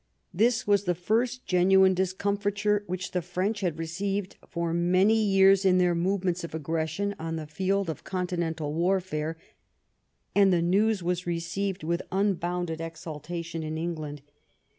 This was the first genuine discomfiture which the French had received for many years in their movements of aggression on the field of con tinental warfare, and the news was received with tmbounded exultation in England.